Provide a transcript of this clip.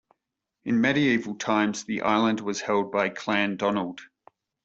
In medieval times the island was held by Clan Donald.